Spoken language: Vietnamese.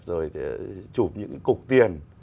rồi chụp những cục tiền